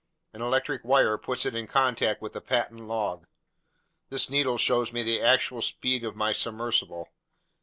An electric wire puts it in contact with the patent log; this needle shows me the actual speed of my submersible.